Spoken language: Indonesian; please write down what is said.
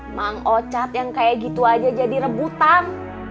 mang ocat yang kayak gitu aja jadi rebutan